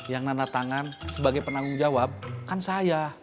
yang nanda tangan sebagai penanggung jawab kan saya